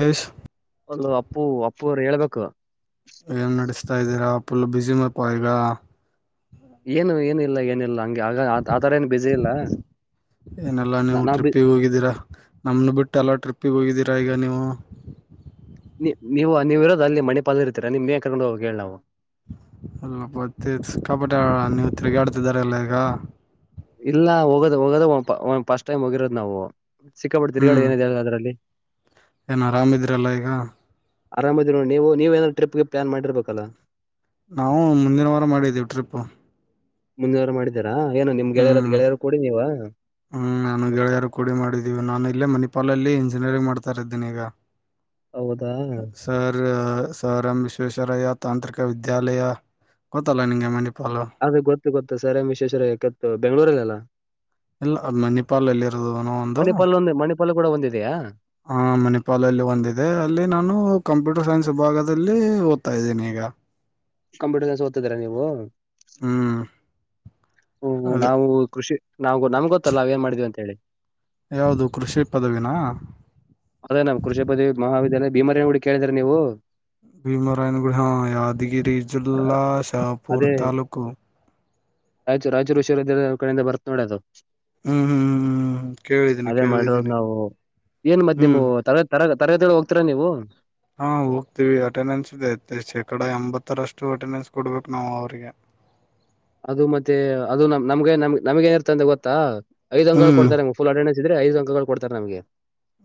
ಹೆಷ್ [inaudible] ಒಲ್ಲ [unintelligible] ಅಪ್ಪು ಅಪ್ಪುರು ಹೇಳ್ಬೇಕು. ಏನ್ ನಡೆಸ್ತಾ ಇದ್ದೀರಾ ಫುಲ್ ಬಿಸಿ ಮರ್ಪ [unintelligible] ಈಗ ಏನು ಏನಿಲ್ಲ ಏನಿಲ್ಲ ಹಂಗೆ ಆತರ ಏನು ಬಿಸಿ ಇಲ್ಲ. ಏನೆಲ್ಲಾ ನೀವು ನ ನಾವು ಟ್ರಿಪ್ಪಿಗೆ ಹೋಗಿದ್ದೀರಾ ನಮ್ಮನ್ನು ಬಿಟ್ಟೆಲ್ಲ ಟ್ರಿಪ್ಪಿಗೆ ಹೋಗಿದ್ದೀರಾ ಈಗ ನೀವು. ನೀವು ನೀವಿರೋ ಅಲ್ಲಿ ಮಣಿ ಪಾಲಲ್ಲಿ ಇರ್ತರಾ. ನಿಮಗಯಾಕ ಕರ್ಕೊಂಡು ಹೋಗಿಬೇಕ ಹೇಳ್ ನಾವು. ಅಲ್ಲಪ್ಪತ್ತ ಸಿಕ್ಕಾಪಟ್ಟೆ ನೀವ್ ತಿರ್ಗಾಆಡ್ತಿದಾರ ಎಲ್ಲ ಈಗ. ಇಲ್ಲ ಹೋಗೋ ಹೋಗೋದ ಫಸ್ಟ್ ಟೈಮ್ ಹೋಗಿರೋದು ನಾವು. ಸಿಕ್ಕಾಪಟ್ಟು ತಿರುಗಾಡದ ಏನಿದೆ ಹೇಳ ಅದ್ರಲ್ಲಿ. ಏನು ಆರಾಮ ಇದ್ರಲ್ಲಾಈಗ. ಆರಾಮದಿನ ನೋಡಿ ನೀವು ನೀವು ಏನ ಟ್ರಿಪ್ ಗಿಪ್ ಪ್ಲಾನ್ ಮಾಡಿರಬೇಕಲ್ಲ. ಹ್ಮ್, ಮುಂದಿನ ವಾರ ಮಾಡಿದ್ದೀವಿ ಟ್ರಿಪ್ ಮುಂದಿನವಾರ ಮಾಡಿದೀರಾ ಏನು ನಿಮ್ಗೆಳೆಯರದ ಹ್ಮ್ ಗೆಳೆಯರು ಕೂಡಿ ನೀವಾ ಹ್ಮ್, ನಾನು ಗೆಳ್ಯಾರು ಕೂಡಿ ಮಾಡಿದ್ದೀವಿ. ನಾನು ಇಲ್ಲೇ ಮಣಿಪಾಲಲ್ಲಿ ಇಂಜಿನಿಯರಿಂಗ್ ಮಾಡ್ತಾ ಇದ್ದೀನಿ ಈಗ. ಹೌದಾ, ಸರ್ ಎಂ ವಿಶ್ವೇಶ್ವರಯ್ಯ ತಾಂತ್ರಿಕವಿದ್ಯಾಲಯ ಗೊತ್ತಲ್ಲಾ ನಿನಗೆ ಮಣಿಪಾಲ ಅದೇ ಗೊತ್ತು ಗೊತ್ತು ಸರ್ ಎಂ ವಿಶ್ವೇಶ್ವರಯ್ಯ ಗೊತ್ತು ಬೆಂಗಳೂರಲ್ಲಾ ಇಲ್ಲ ಮಣಿಪಾಲ್ ಅಲ್ಲಿ ಇರೋದು ಇನ್ನೊಂದು. ಮಣಿಪಾಲ್ ಒಂದು ಮಣಿಪಾಲ್ ಕೂಡ ಒಂದಿದೆಯಾ [unintelligible] ಹಾ, ಮಣಿಪಾಲಲ್ಲಿ ಒಂದಿದೆ ಅಲ್ಲಿ ನಾನು ಕಂಪ್ಯೂಟರ್ ಸೈನ್ಸ್ ವಿಭಾಗದಲ್ಲಿ ಓದ್ತಾ ಇದ್ದೀನಿ ಈಗ. ಕಂಪ್ಯೂಟರ್ನ ಸೈನ್ಸ ಓತಿದೀರಾ ನೀವು. ಹ್ಮ್, ಹ್ಮ್, ಅದೇ ನಾವು ಕೃಷಿ ನಾವು ನಮ್ ಗೊತ್ತಲ್ಲಾ ಏನ್ ಮಾಡೀವಿ ಅಂತ ಹೇಳಿ. ಯಾವುದು ಕೃಷಿ ಪದವಿನಾ ಅದೇ ನಮ್ ಕೃಷಿಪದವಿ ಮಹಾವಿದ್ಯಾಲಯ ಭೀಮರಾಯನಗುಡಿ ಕೇಳಿದ್ರಾ ನೀವು. ಭೀಮರಾಯನಗುಡಿ ಹಾ, ಯಾದಗಿರಿ ಜಿಲ್ಲಾ ಶಾಹಪೂರ್ ತಾಲೂಕು. ರೈಯಾಚೂರ್ ರೈಯಚೂರು ವಿಶ್ವವಿದ್ಯಾಲಯಾ ಅವರ ಕಡೆಯಿಂದ ಬರ್ತ್ ನೋಡಿ ಅದು. ಹ್ಮ್ ಹ್ಮ್ ಹ್ಮ್ ಹ್ಮ್ ಕೇಳಿದ್ದೀನಿ ಅದೇ ಮಾಡ್ರೋದು ಕೇಳಿದ್ದೀನಿ ನಾವು ಏನ್ ಮತ್ತ. ಹ್ಮ್ ತರ ತರಗತಿಗಳು ಹೋಗ್ತರಾ ನೀವು. ಹಾ ಹೋಗ್ತೀವಿ ಅಟೆಂಡೆನ್ಸ್ ಇದೆ ಶೇಕಡಾ ಎಂಬತ್ತರಷ್ಟು ಅಟೆಂಡೆನ್ಸ್ ಕೊಡ್ಬೇಕು ನಾವು ಅವ್ರಿಗೆ. ಅದು ಮತ್ತೆ ಅದು ನಮ್ಗೆ ನಮ್ ನಮ್ಗ ಏನ ಇರ್ತ ಅಂದ ಗೊತ್ತಾ ಐದ್ ಅಂಕಗಳು ಹ್ಮ್ ಕೊಡ್ತಾರೆ. ಫುಲ್ ಅಟೆಂಡಾನ್ಸ್ ಇದ್ರೆ ಐದು ಅಂಕಗಳು ಕೊಡ್ತಾರೆ ನಮಗೆ.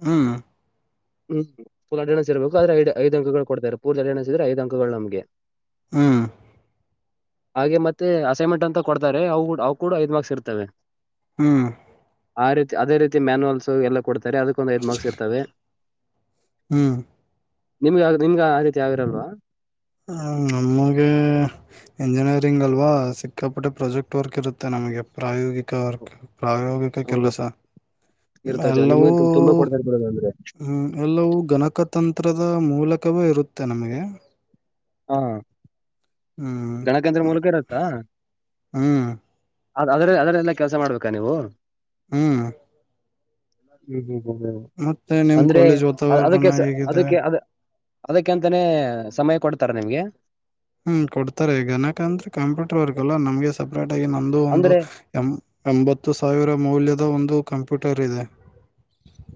ಹ್ಮ್ ಹ್ಮ್ ಪುಲ್ ಅಡಡೆನ್ಸ್ ಇರಬೇಕು ಆದ್ರೆ ಐದು ಅಂಕಗಳು ಕೊಡ್ತಾರೆ ಅಡಡೆನ್ಸ್ ಇದ್ರೆ ಐದು ಅಂಕಗಳು ನಮಗೆ. ಹ್ಮ್ ಹಾಗೆ ಮತ್ತೆ ಅಸೈನ್ಮೆಂಟ್ ಅಂತ ಕೊಡ್ತಾರೆ ಅವು ಅವು ಕೂಡ ಐದು ಮಾರ್ಕ್ಸ್ ಇರ್ತವೆ. ಹ್ಮ್ ಆ ರೀತಿ ಅದೇ ರೀತಿ ಮ್ಯಾನುವಲ್ಸು ಎಲ್ಲ ಕೊಡ್ತಾರೆ ಅದಕ್ಕೊಂದು ಐದು ಮಾರ್ಕ್ಸ್ ಇರ್ತವೆ. ಹ್ಮ್ ನಿಮ್ಗ ನಿಮ್ಗೆ ಆ ರೀತಿ ಆಗಿರೋದು. ಹ್ಮ್ ನಮಗೆ. ಇಂಜಿನಿಯರಿಂಗ್ ಅಲ್ವಾ ಸಿಕ್ಕಾಪಟ್ಟೆ ಪ್ರಾಜೆಕ್ಟ್ ವರ್ಕ್ ಇರುತ್ತೆ ನಮಗೆ ಪ್ರಾಯೋಗಿಕ ವರ್ಕ್. ಪ್ರಾಯೋಗಿಕ ಹೌದು ಕೆಲಸ ಇರ್ತಜ ನಿಮ್ಗೆ ಎಲ್ಲವೂ. ತುಂಬಾ ಕೊಡ್ತಾರೆ ಅಂದ್ರೆ. ಹ್ಮ್ ಎಲ್ಲವೂ ಗಣಕತಂತ್ರದ ಮೂಲಕವೇ ಇರುತ್ತೆ ನಮಗೆ. ಹಾ ಹ್ಮ್ ಗಣಕತಂತ್ರ ಮೂಲಕ ಇರುತ್ತಾ. ಹ್ಮ್ ಅದ ಅದ್ರ ಅದ್ರಲ್ಲನೆ ಕೆಲಸ ಮಾಡ್ಬೇಕಾ ನೀವು. ಹ್ಮ್ ಹ್ಮ್ ಹ್ಮ್ ಮತ್ತೆ ನಿಮ್ ಅಂದ್ರೆ ಕಾಲೇಜ್ ಅ ಅದಕ್ಕೆ ವಾತಾವರಣ ಸಾ ಹೇಗಿದೆ ಅದಿಕ್ಕೇ. ಅದಕ್ಕೆಂತಾನೇ ಸಮಯ ಕೊಡ್ತಾರ ನಿಮ್ಗೆ. ಹ್ಮ್ ಕೊಡ್ತಾರೆ ಈ ಗಣಕ ಅಂದ್ರೆ ಕಂಪ್ಯೂಟರ್ ವರ್ಕ್ ಅಲ್ಲಾ ನಮ್ಗೆ ಸಪ್ರೇಟ್ ಆಗಿ ನಮ್ದ ಒಂದು ಅಂದ್ರೆ ಎ ಎಂಬತ್ತು ಸಾವಿರ ಮೌಲ್ಯದ ಒಂದು ಕಂಪ್ಯೂಟರ್ ಇದೆ.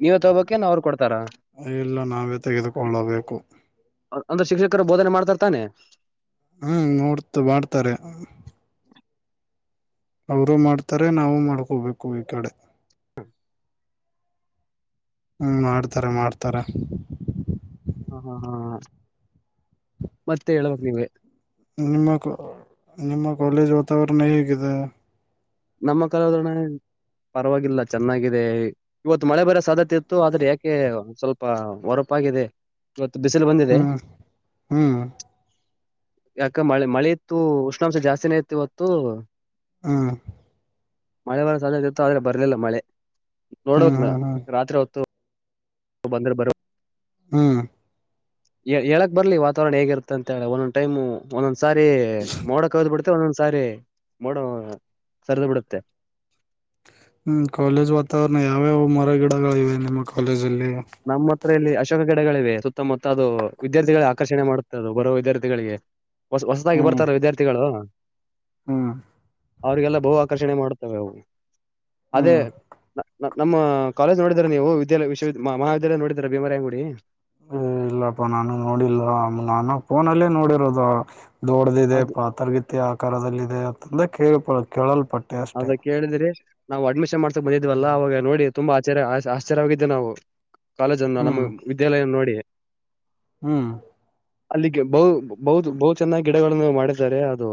ನೀವೇ ತಗೋಬೇಕೇನ್ ಅವ್ರು ಕೊಡ್ತಾರ ಇಲ್ಲ ನಾವೇ ತೆಗೆದುಕೊಳ್ಳಬೇಕು. ಅಂದ್ರೆ ಶಿಕ್ಷಕರು ಬೋಧನೆ ಮಾಡ್ತಾರ್ತಾನೆ. ಹ್ಮ್ ನೋಡ್ತ ಮಾಡ್ತಾರೆ. ಅವರು ಮಾಡ್ತಾರೆ ನಾವು ಮಾಡ್ಕೋಬೇಕು ಈಕಡೆ. ಹ್ಮ್ ಮಾಡ್ತಾರೆ ಮಾಡ್ತಾರೆ. ಹ ಹಾ ಹಾ ಮತ್ತೆ ಹೇಳ್ಬೇಕ್ ನೀವೆ. ನಿಮ್ಮ ನಿಮ್ಮ ಕಾಲೇಜ್ ವಾತಾವರಣ ಹೇಗಿದೆ. ನಮ್ಮ ಕಾಲೇಜು ವಾತಾವರಣ ಪರವಾಗಿಲ್ಲ ಚೆನ್ನಾಗಿದೆ ಇವತ್ತು ಮಳೆ ಬರ ಸಾಧ್ಯ. ಇತ್ತು ಆದ್ರೆ ಯಾಕೆ ಸ್ವಲ್ಪ ಹೊರಪಾಗಿದೆ. ಇವತ್ತು ಬಿಸಿಲು ಬಂದಿದೆ. ಹ್ಮ್ ಹ್ಮ್ ಯಾಕ ಮಳೆ ಮಳೆ ಇತ್ತು ಉಷ್ಣಾಂಶ ಜಾಸ್ತಿನೇ ಇತ್ತು ಇವತ್ತು. ಹ್ಮ್ ಮಳೆ ಬಾರೋ ಸಾಧ್ಯತೆ ಇತ್ತು ಆದ್ರೆ ಬರ್ಲಿಲ್ಲ ಮಳೆ ಹ್ಮ್ ನೋಡ್ಬೇಕಕ್ ಹ್ಮ್ ಹ್ಮ್ ರಾತ್ರಿ ಹೊತ್ತು. ಬಂದ್ರೆ. ಹ್ಮ್ ಹೇಳಕ್ ಬರ್ಲಿ ವಾತಾವರಣ ಹೇಗಿರುತ್ತ ಅಂತ ಹೇಳ ಒಂದೊಂದ ಟೈಮು ಒಂದೊಂದ್ ಸಾರಿ ಮೋಡ ಕವಿದು. ಮ ಒಂದೊಂದ್ ಸಾರಿ ಮೋಡ ಸರಿದು ಬಿಡುತ್ತೆ. ಹ್ಮ್ ಕಾಲೇಜ್ ವಾತಾವರಣ ಯಾವ್ಯಾವ ಮರ ಗಿಡಗಳಿವೆ ನಿಮ್ಮ ಕಾಲೇಜಲ್ಲಿ. ನಮ್ಮ ಹತ್ರ ಇಲ್ಲಿ ಅಶೋಕ ಗಿಡಗಳಿವೆ ಸುತ್ತ ಮ ಅದು ವಿದ್ಯಾರ್ಥಿಗಳ ಆಕರ್ಷಣೆ ಮಾಡುತ್ತದ ಬರುವೋ ವಿದ್ಯಾರ್ಥಿಗಳಿಗೆ ಹೊ ಹೊಸದಾಗಿ ಹ್ಮ್ ಬರ್ತಾರ ವಿದ್ಯಾರ್ಥಿಗಳು ಹ್ಮ್ ಅವ್ರಿಗೆಲ್ಲ ಬಹು ಆಕರ್ಷಣೆ ಮಾಡುತ್ತವೆ ಅವು ಅದೇ ಹ್ಮ್ ನಮ್ಮ ಕಾಲೇಜ ನೋಡೀರ ನೀವು ವಿದ್ಯಾಲಯ ವಿಶವ ಮಹಾವಿದ್ಯಾಲಯ ನೋಿದೀರ ಭೀಮರ ಅಂಗುಡಿ ಏ ಇಲ್ಲಪ್ಪಾ ನಾನು ನೋಡಿಲ್ ನಾನು ಫೋನಲ್ಲೇ ನೋಡಿರೋದ ದೊಡ್ದಿದೆ ಅದು ಪಾತ್ರಗಿತ್ಯ ಆಕಾರದದಲ್ಲಿ ಇದೆ ಅಂತ ಕೇಳಪ ಕೇಳಲ್ಪಟ್ಟ ಅದ ಕೇಳಿದ್ರಿ ನಾವು ಅಡ್ಮಿಷನ್ ಮಾಡ್ಸಕ್ ಬಂದಿದ್ವಲ್ಲಾ ಹ್ಮ್ ಅವಾಗ ನೋಡಿ ತುಂಬಾ ಆಚ್ಯ ಆಶ್ಚ್ಯಾಗಿದ್ದೆ ನಾವು ಕಾಲೇಜ ಅನ್ನ ನಮ್ಮ ಹ್ಮ್ ವಿದ್ಯಾಲಯ ನೋಡಿ ಹೂ ಅಲ್ಲಿಗೆ ಬೌವು ಬೌವುದು ಬೌಚೆನ್ನಾಗಿ ಗಿಡಗಳನ್ನು ಮಾಡಿದ್ದಾರೆ ಅದು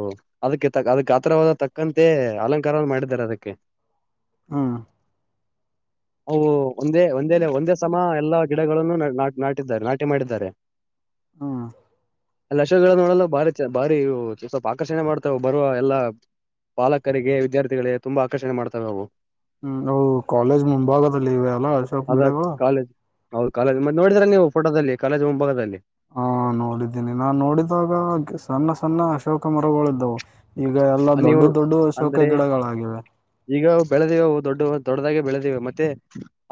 ಅದಕ್ಕೆ ತ ಅದಕ್ಕೆ ಆಥರವಾದ ತಕ್ಕಂತೆ ಅಲಂಕಾರ ಮಾಡಿದ್ದಾರೆ ಅದಕ್ಕೆ ಹಾ ಹಓ ಒಂದೇ ಒಂದೇ ಒಂದೇ ಸಮ ಎಲ್ಲಾ ಗಿಡಗಳನ್ನು ನಾ ನಾಟಿದ್ದಾರೆ ನಾಟಿಮಾಡಿದ್ದಾರೆ ಹೂ [unintelligible] ನೋಡಲ್ಲ ಭಾರಿ ಭಾರಿ ಸ್ವಲ್ಪ ಆಕರ್ಷಣೆ ಮಾಡ್ತಾವ ಬರುವ ಎಲ್ ಪಾಲಕರಿಗೆ ವಿದ್ಯಾರ್ಥಿಗಳಿಗೆ ತುಂಬಾ ಆಕರ್ಷಣೆ ಮಾಡ್ತವೆಾವು ಹೂ ಅವು ಕಾಲೇಜ್ ಮುಂಭಾಗದಲ್ಲಿ ಇವೆ ಅಲ್ಲ ಅಶೋಕ್ ಅದ ಬಿೀಡಾಗ ಕಾಲೇಜ್ ಹೌದು ಕಾಲೇಜ ಮತ್ ನೋಡಿದ್ರಾ ನೀವು ಫೋದಲ್ಲಿ ಕಾಲೇ್ ಮುಂಭಾಗದಲ್ಲಿ ಹಾ ನೋಡಿದ್ದೀನಿ ನಾನ್ ನೋಡಿದಾಗ ಸಣ್ಣ ಸಣ್ಣ ಅಶೋಕ ಮರಗಳಿದ್ದವು ಈಗ ಎಲ್ಲಾ ನೀವು ದೊಡ್ಡ ದೊಡ್ಡ ಅಶೋಕ ಗಿಡಗಳಾಗಿವೆ ಈಗವು ಬೆಳೆದೇವೆ ಅವು ದೊಡ್ಡ ದೊಡ್ಡದಾಗೆ ಬೆಳೆದೇವೆ ಮತ್ತೆ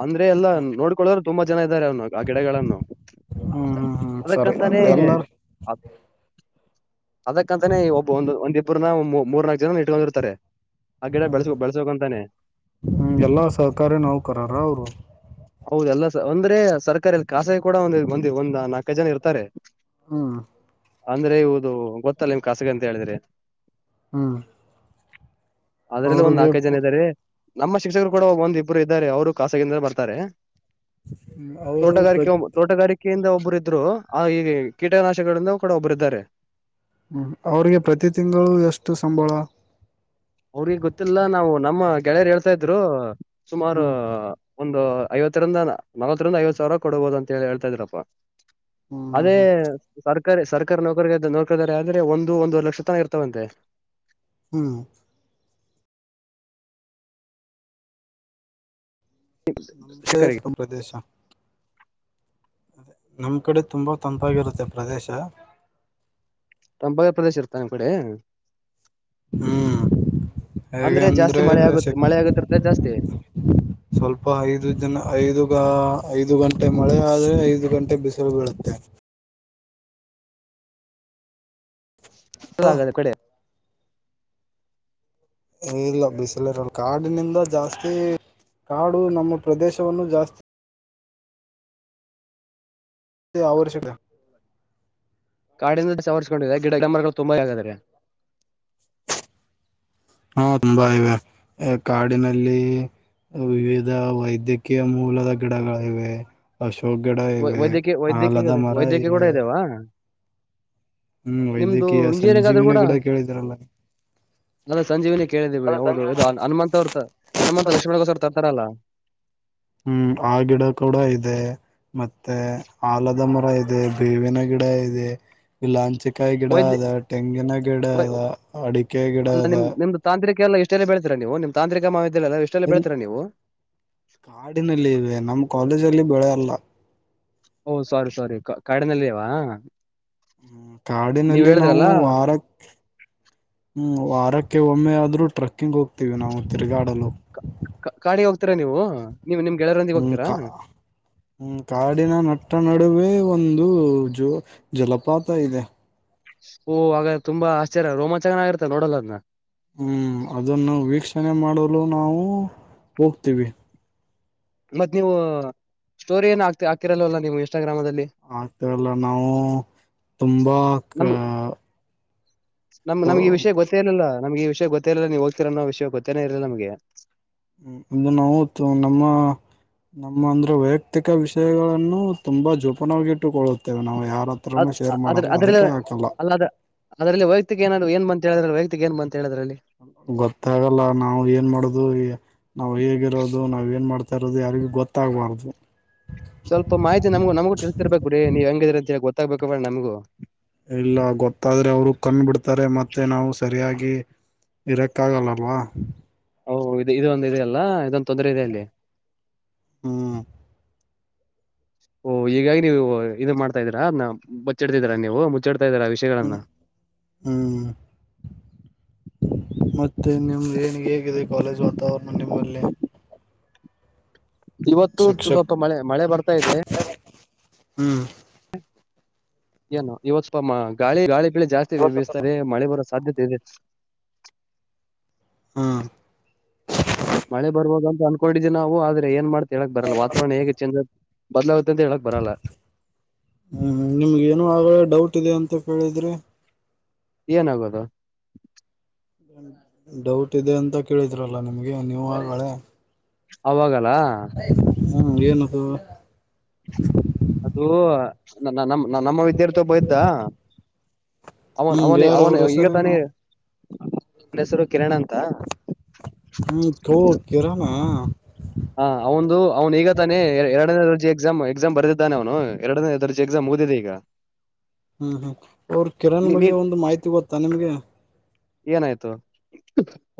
ಅಂದ್ರೆ ಎಲ್ಲಾ ನೋಡ್ಕೊಳ್ಳದ್ರೆ ತುಂಬಾ ಜನ ಇದ್ದಾರೆ ಅವ್ನ ಆ ಗಿಡಗಳನ್ನು ಹ್ಮ್ ಅ ಹ್ಮ್ ಹ್ಮ್ ಸರಿ ಅದಕ್ಕಂತಾನೆ ಎಲ್ಲಾರ ಅದಕ್ಕಂತಾನೇ ಒಬ್ಬ ಒ ಒಂದಿಬ್್ರ ಮೂರ್ನಾಾಕಕ್ ಜನ ಇಟ್ಕೋಗಿರ್ತಾರೆ ಆ ಗಿಡ ಬೆಳಸ್ ಬಳಸಕಂತಾನೆ ಹೂ ಎಲ್ಲಾ ಸಹಕಾರ್ಯ ನೌಕರರು ಅವ್ರು ಹೌದು ಎಲ್ಲ ಒಂದ್ರೆ ಸರ್ಕಾರಾರಿಲ್ಲಿ ಖಾಸಗಿ ಕೂಡ ಒಂದ ಮಂದಿ ಒಂದ್ ನಾಲ್ಕೈ ಜನ ಇರ್ತಾರೆ ಹೂ ಅಂದ್ರೆ ಇವುದು ಗೊತ್ತಲ್ಲ ನಿಮ್ ಖಸಗ ಅಂತ ಹೇಳಿದ್ರೆ ಹೂ ಅದ್ರಲ್ಲಿ ಒಂದ್ ನಾಕೈದು ಜನ ಇದಾರೆ ನಮ್ಮ ಶಿಕ್ಷಕರು ಕೂಡ ಒಂದ ಇಬ್ರು ಇದ್ದಾರೆ ಅವ್ರು ಖಾಸಗಿಯಿಂದ ಬರ್ತಾರೆ ಅವರು ಪ್ರ ತೋಟಗಾರಿಕೆ ಒ ತೋಟಗಾರಿಕೆಯಿಂದ ಒಬ್ಬರ ಇದ್ರು ಆ ಈ ಕೀಟನಾಶಗಳಿಂದ ಕೂಡ ಒಬ್ಬರು ಇದ್ದಾರೆ ಹೂ ಅವ್ರಿಗೆ ಪ್ರತಿ ತಿಂಗಳು ಎಷ್ಟು ಸಂಬಳ ಅವ್ರಿಗೆ ಗೊತ್ತಿಲ್ಲ ನಾವು ನಮ್ಮ ಗೆಳೆಯರು ಹೇಳ್ತಾ ಇದ್ರು ಸುಮಾರು ಹ್ಮ್ ಒಂದು ಐವತ್ತರಿಂದ ನಲ್ವತ್ತರಿಂದ ಐವತ್ ಸಾವಿರ ಕೊಡಬಹುದು ಅಂತ ಹೇಳಿ ಹೇಳ್ತಾ ಇದರಪ್ಪಾ ಹ್ಮ್ ಅದೇ ಹ್ಮ್ ಸರ್ ಸರ್ ಸರ್ಕಾರಿ ನೌಕರರಿಗೆ ನೋಕಾರೆ ಆದ್ರೆ ಒಂದು ಒಂದವ ಲಕ್ಷ ತನ ಇರ್ತವಂತೆ ಹೂ ನಮಸ ಶಿಕ್ಷಕರಿಗೆ ತಮ್ಮ ಪ್ರದೇಶ ನಮ್ಮ್ ಕಡೆ ತುಂಬಾ ತಂಪಾಗಿರುತ್ತೆ ಪ್ರದೇಶ ತಂಗ ಪ್ರದೇಶ ಇತ ನಿಮ್ಮ ಕಡೆ ಹ್ಮ್ ಹೇಗೆ ಅಂದ್ರೆ ಜಾಸ್ತಿ ಮಳೆ ಆಗತ್ ಅಂದ್ರೆ ಮಳೆ ಆಗುತ್ತಿರ್ತ್ತ ಜಾಸ್ತಿ ಸ್ವಲ್ಪ ಐದು ಜನ ಐದುಗ ಐದು ಗಂಟೆ ಮಳೆ ಆದ್ರೆ ಐದು ಗಂಟೆ ಬಿಸಿಲು ಬೀಳುತ್ತೆ ಆಗದೆ ಕಡೆ ಇಲ್ಲಾ ಬಿಸಿಲರಲ್ ಕಾಡಿನಿಂದ ಜಾಸ್ತಿ ಕಾಡು ನಮ್ಮ ಪ್ರದೇಶವನ್ನು ಜಾಸ್ತಿ. ತ್ತಿ ಆವರಿಸಿದೆ. ಕಾಡಿಂದ ಸವರ್ಸ್ಕೊಂಡಿದೆ ಗಿಡ ಮರಗಳು ತುಂಬಾದಾರೆ. ಹಾ ತುಂಬಾ ಇವೆ ಹೆ ಕಾಡಿನಲ್ಲಿ ವಿವಿಧ ವೈದ್ಯ. ಕ್ಕಿಯ ಮೂಲದ ಗಿಡಗಳ ಇವೆ ಅಶೋಕ ಗಿಡ ಇವೆ ವೈದ್ಯಕೀಯ ವೈದ್ಯಕೀಯ ಹಲದ ಮರ ವೈದ್ಯಕೀಯ ಕೂಡ ಇವೆ. ಇದಾವ ಹು ನಿಮ್ದು ವೈದ್ಯಕೀಯ ಸಂಜೀವಿನಿ ಗಿಡ ಕೇಳಿದರಲ್ಲ. ಹ ಸಂಜೀವಿನಿ ಕೇಳಿದೀವಿ ಹೌದು ಇದು ಸಂಜೀವಿನಿ ಹನುಮಂತ ಅವ್ರ ಹನುಮಂತ ಲಕ್ಷ್ಮಣಗೋಸ್ಕರ ತರ್ತಾರಲ್ಲಾ. ಹು ಆ ಗಿಡ ಕೂಡ ಇದೆ. ಮತ್ತೆ ಆಲದ ಮರಾ ಇದೆ ಬೇವಿನ ಗಿಡ ಇದೆ. ಇಲಾಂಚಕಾಯಿ ಗಿಡ ವೈದ್ಯ ಅದ ತೆಂಗಿನ ಗಿಡ ಅದ ಅಡಿಕೆ ಗಿಡ ಅಲ್ಲ ಅದ. ನಿಮ್ ನಿಮ್ದು ತಾಂತ್ರಿಕ ಇಷ್ಟೇಲ್ಲ ಬೆಳತೀರಾ ನೀವು ನಿಮ್ಮ ತಾಂತ್ರಿಕ ಮಹಾವಿದ್ಯಾಲಯದಾಗ ಇಷ್ಟೆಲ್ಲಾ ಇಲ್ ಬೆಳತೀರಾ ನೀವು. ಕಾಡಿನಲ್ಲಿ ಇವೆ ನಮ್ಮ ಕಾಲೇಜಲ್ಲಿ ಬೆಳೆ ಅಲ್ಲಾ. ಓ ಸ್ವಾರಿ ಸ್ವಾರಿ ಕಾಡಿನಲ್ಲಿವಾ. ಹು ನೀವ್ ಕಾಡಿನಲ್ಲಿ ನಾವು ಹೇಳಿದ್ರಲ್ಲಾ ವಾರಕ್ಕೆ. ಹು ವಾರಕ್ಕೆ ಒಮ್ಮೆ ಆದ್ರೂ ಟ್ರಕ್ಕಿಂಗ ಹೋಗ್ತೀವಿ ನಾವು ತಿರ್ಗಾಡಲು. ಕಾ ಕಾಡಿಗೆ ಹೋಗ್ತೀರಾ ನೀವು. ನೀವು ನಿಮ್ಮ ಗೆಳೆಯರು. ಹು ಕಾ ಹು ಕಾಡಿನ ನಟ್ಟ ನಡುವೆ ಒಂದು ಜೋ ಜಲಪಾತ ಇದೆ. ಓಆಗಾ ತುಂಬಾ ಆಶ್ಚರ್ಯ ರೋಮಾಚಕನಾಗಿತ್ತೆ ನೋಡಲ್ಲದನ್ನ. ಹು ಅದನ್ನು ವೀಕ್ಷಣೆ ಮಾಡಲು ನಾವು ಹೋಗ್ತಿವಿ. ಮತ್ತ ನೀವು ಸ್ಟೋರಿ ಏನ ಹಾಕ್ತಿ ಹಾಕಿರಲ್ವಲ್ಲ ನೀವು ಇನ್ಸ್ಟಾಗ್ರಾಮ್ ದಲ್ಲಿ. ಹಾಕ್ತಾಇಲ್ಲಾ ನಾವು ತುಂಬಾ ಅ. ನಮ್ಮ ನಮ್ಮಗೆ ಈ ವಿಷ ಗೊತ್ತೆಇರ್ಲಿಲ್ಲಾ ನಮಗೆ ಈ ವಿಷಯ ಗೊತ್ತೆ ಇಲ್ಲಾ ನೀವು ಹೋಗ್ತೀರೋನ್ನೋ ವಿಷ ಗೊತ್ತೆ ಇಲ್ಲಾ ನಮಗೆ. ಹು ಅದು ನವುತ್ತು ನಮ್ಮ. ನಮ್ಮ ಅಂದ್ರೆ ವೈಯಕ್ತಿಕ ವಿಷಯಗಳನ್ನು ತುಂಬಾ ಜೋಪನವಾಗಿಟ್ಟುಕೊಳ್ಳುತ್ತೇವೆ ನಾವು ಯಾರ. ಅದ ಹತ್ರನೂ ಶೇರ್ ಅದ್ರ ಮಾಡಲ್ಲ ಅದ್ರಲ್ಲ ಅದಕ್ಕೆ ಹಾಕಲ್ಲ ಅಲ್ಲದ. ಅದ್ರಲ್ಲಿ ವೈಯಕ್ತಿಕ ಏನಾದವು ಏನ್ಂತ ಹೇಳಿದ್ರ ವೈಯಕ್ತಿಕ ಏನ್ ಅಂತ ಹೇಳದ್ರಲ್ಲಿ. ಗೊತ್ತಾಗಲ್ಲ ನಾವು ಏನ್ ಮಾಡುದು ಇಗ. ನಾವು ಹೇಗಿರೋದು ನಾವ ಏನ್ ಮಾಡ್ತಾ ಇರೋದು ಯಾರಿಗೂ ಗೊತ್ತಾಗ್ಬಾರ್ದು. ಸ್ವಲ್ಪ ಮಾಹಿತಿ ನಮಗ ನಮಗೂ ತಿಳತಿರ್ಬೇಕುರಿ ನೀವ ಹೆಂಗದಿರಿ ಅಂತೇಳಿ ಗೊತ್ತಾಗ್ಬೇಬೇಕ ನಮಗೂ. ಇಲ್ಲಾ ಗೊತ್ತಾದ್ರೆ ಅವರು ಕಂಡ್ಬಿಡ್ತಾರೆ ಮತ್ತೆ ನಾವು ಸರಿಯಾಗಿ. ಇರಕಾಗಲಾಅವ್ವಾ. ಓ ಇದು ಇದೊಂದು ಇದೆಯಲ್ಲಾ ಇದೊಂದು. ತೊಂದರೆ ಇದೆ ಅಲ್ಲಿ. ಹು ಓ ಹೀಗಾಗಿ ನೀವು ಇದು ಮಾಡ್ತಾ ಇದೀರಾ ಅದನ್ನಾ ಬಚ್ಚಿಡ್ತಿದೀರಾ ನೀವು ಮುಚ್ಚಿಡ್ತಾ ಇದರಾ ವಿಸ್ ಹು ಹು ಹು ಮತ್ತೆ ನಿಮಗೆ ಹೇಗಿದೆ ಕಾಲೇಜ್ ವಾತಾವರಣ ನಿಮ್ಮಲ್ಲಿ. ಇವತ್ತು ತುಸು ಶಿಕ್ಷಕ ಮಳೆ ಮಳೆ ಬರ್ತಾ ಇದೆ. ಹು ಏನೋ ಇವತ್ತು ಸ್ವಪ ಗಳಿ ಗಾಳಿ ಬೆಳೆ ಜಾಸ್ತಿ ಬೀಸತಾದೆ ಮಳೆ ಬರೋ ಸಾಧ್ಯತೆ ಇದೆ. ಹಾ ಮಳೆ ಬರ್ಬೋದು ಅನ್ಕೊಂಡಿದ್ದಿ ನಾವು ಆದ್ರೆ ಏನ್ ಮಾಡ್ತಾ ಹೇಳಕ್ ಬರಲ್ಲಾವರಣ ಹೇಗೆ ಚೇಂಜ ಆತದೆ. ಬದ್ಲಾಗುತ್ತೆ ಅಂತ ಹೇಳಾಕ ಬರಲ್ಲಾ. ಹ್ಮ್ ನಿಮ್ಗೆ ಏನೋ ಆಗಳೆ ಡೌಟ್ ಇದೆ ಅಂತ ಕೇಳಿದ್ರೀ ಏನಾಗೋದು ಡೌಟ್ ಇದೆ ಅಂತ ಕೇಳಿದ್ರಲ್ಲ ನಿಮ್ಗೆ ನೀವು ಆಗ್ಳೆ ಅವಾಗಲ್ಲ ಹ್ಮ್ ಏನದು ಅದು ನ ನ ನ ನಮ್ಮು ಇದ್ದೇ ಇರ್ತಾವ ಪಾ [unintelligible] ಅವನ್ ಹ್ಮ್ ಅವನಿ ಯಾರ ಅವನು ಅವ್ರ ಈಗ ತಾನಿ ಹೆಸರೇನು ನನ್ನ ಹೆಸರು ಕಿರಣ ಅಂತ ಹ್ಮ ಕ ಕಿರಣ್ ಅ ಹಾ ಅವನುಂದು ಅವ್ನು ಈಗ ತಾನೆ ಎರಡನೇ ದರ್ಜೆ ಎಕ್ಸಾಮ್ ಎಕ್ಸಾಮ್ ಬರೆದಿದ್ದಾನೆ ಅವನು ಎರಡನೇ ದರ್ಜೆ ಎಕ್ಸಾಮ್ ಮುಗಿದಿದೆ ಈಗ ಹ್ಮ್ ಹ್ಮ್ ಅವ್ರ ಕಿರಣ್ ನೀ ನೀ ಬಗ್ಗೆ ಒಂದು ಮಾಹಿತಿ ಗೊತ್ತಾ ನಿಮ್ಗೆ ಏನಾಯ್ತು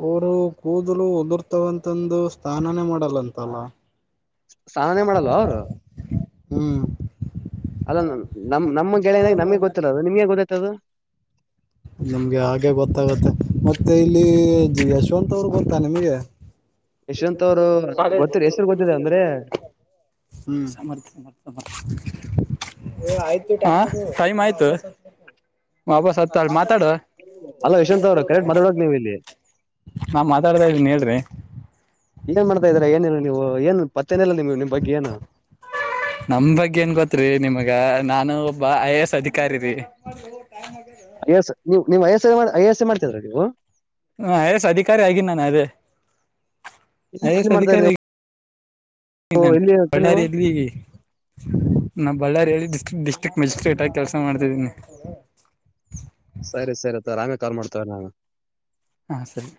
ಅವರು ಕೂದಲು ಉದುರ್ತವಂತಂದು ಸ್ನಾನಾನೇ ಮಾಡಲ್ಲಂತಲ್ಲ ಸ್ನಾನಾನೆ ಮಾಡಲ್ವ ಅವರು ಹ್ಮ್ ಅಲ್ಲ ನಮ್ಮ ನಮ್ಮ ಗೆಳೆಯನಾಗ ನಮಗೆ ಗೊತ್ತಿಲ್ಲದ ಅದು ನಿಮ್ಗೆ ಗೊತ್ತಾತದು ನಿಮ್ಗೆ ಹಾಗೆ ಗೊತ್ತಾಗುತ್ತೆ ಮತ್ತೆ ಇಲ್ಲಿ ಯಶವಂತ್ ಅವರು ಗೊತ್ತಾ ನಿಮಗೆ ಯಶವಂತ್ ಅವರು ಗೊತ್ತಿರಿ ಹೆಸರು ಗೊತ್ತಿದೆ ಅಂದ್ರೆ ಅಂದ್ರರಿ ಹ್ಮ್ ಸಮರ್ಥ ಸಮರ್ಥರ್ ಆಯ್ತು ಹ ಟೈಮ್ ಆಯ್ತು ವಾಪಸ್ ಅಲ್ಲಿ ಮಾತಾಡು ಅಲ್ಲ ಯಶಂತ್ ಅವ್ರು ಕರೆಕ್ಟ್ ಮಾಡಾಡಕ್ ನೀವು ಇಲ್ಲಿ ನಾನ್ ಮಾತಾಡ್ತಾ ಇದೀನ್ ಹೇಳ್ರಿ ಏನ್ ಮಾಡ್ತಾ ಇದೀರಾ ಏನಿಲ್ಲ ನೀವು ಏನು ಪತ್ತೇನೆ ಏನಲ್ಲ ನೀವು ನಿಮ್ಮ ಬಗ್ಗೆ ಏನು ನಮ್ ಬಗ್ಗೆ ಏನ್ ಗೊತ್ರಿ ನಿಮಗ ನಾನು ಒಬ್ಬ ಐ ಎ ಎಸ್ ಅಧಿಕಾರಿ ರೀ ಅಯ ನೀವು ನೀವು ಐಯಸ್ ಎ ಐಸ್ ಮಾಡ್ತಿದ್ರ ನೀವು ಹ ಐ ಎಂ ಎಸ್ ಅಧಿಕಾರಿ ಆಗಿ ನಾನು ಅದೇ ಏ ಏ ಯಸ್ ಎಲ್ಲಿ ಮಾಡ್ತಾ ಅಧಿಕಾರಿ ನೀವು ನಾನ್ ಎಲ್ಲಿ ನೀವು ಬಳ್ಳಾರಿಯಲ್ಲಿ ನಾ ಬಳ್ಳಾರಿಯಲ್ಲಿ ಡಿಸ್ಟಿಕ್ ಡಿಸ್ಟ್ರಿಕ್ ಮ್ಯಜಿಸ್ಟ್ರೇಟ್ ಆಗಿ ಕೆಲಸ ಮಾಡ್ತಿದ್ದೀನಿ ಸರಿ ಸರಿ ತೋ ಆಮೇಲೆ ಕಾಲ್ ಮಾಡ್ತವ ನಾ ಹಾಂ ಸರಿ